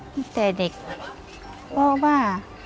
ตั้งแต่เด็กว่า